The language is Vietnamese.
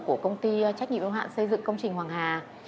của công ty trách nhiệm ưu hạn xây dựng công trình hoàng hà